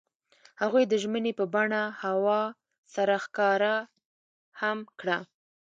هغوی د ژمنې په بڼه هوا سره ښکاره هم کړه.